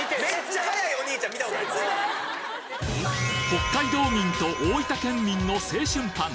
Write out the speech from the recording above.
北海道民と大分県民の青春パン